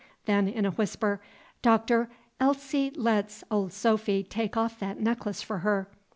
Then, in a whisper; "Doctor, Elsie lets of Sophy take off that necklace for her.